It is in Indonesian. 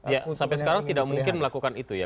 ya sampai sekarang tidak mungkin melakukan itu ya